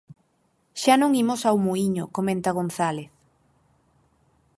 "Xa non imos ao muíño", comenta González.